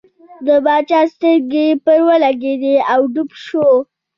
د باچا سترګې پر ولګېدې او ډوب شو.